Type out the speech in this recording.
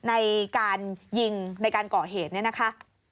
ในการยิงในการก่อเหตุเนี่ยนะคะ